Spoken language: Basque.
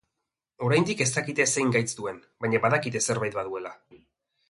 Oraindik ez dakite zein gaitz duen, baina badakite zerbait baduela.